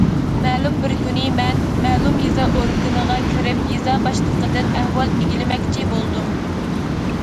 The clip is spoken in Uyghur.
مەلۇم بىر كۈنى مەن مەلۇم يېزا ئورگىنىغا كىرىپ يېزا باشلىقىدىن ئەھۋال ئىگىلىمەكچى بولدۇم.